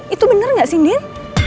itu bener gak sih din